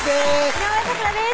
井上咲楽です